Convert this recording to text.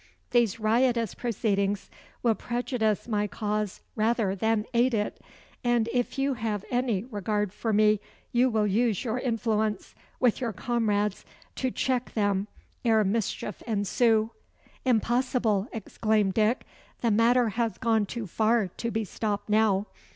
These riotous proceedings will prejudice my cause rather than aid it; and if you have any regard for me you will use your influence with your comrades to check them ere mischief ensue." "Impossible!" exclaimed Dick. "The matter has gone too far to be stopped now.